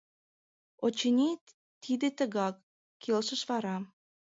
Очыни, тиде тыгак, — келшыш вара.